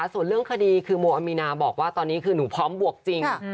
ส่วนเรื่องคดีคือโมอามีนาบอกว่าตอนนี้คือหนูพร้อมบวกจริง